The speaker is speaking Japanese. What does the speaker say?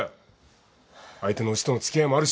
相手のうちとの付き合いもあるし。